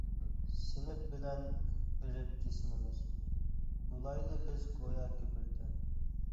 سىنىپ بىلەن ئېرىپ جىسمىمىز، بۇلايلى بىز گوياكى بىر تەن.